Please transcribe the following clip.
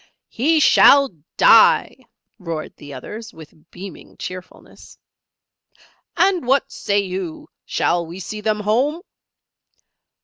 "He shall die!" roared the others, with beaming cheerfulness. "And what say you shall we see them home?"